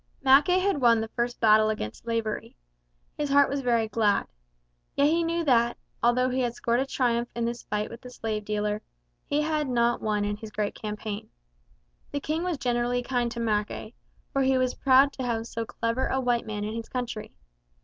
Mackay had won the first battle against slavery. His heart was very glad. Yet he knew that, although he had scored a triumph in this fight with the slave dealer, he had not won in his great campaign. The King was generally kind to Mackay, for he was proud to have so clever a white man in his country.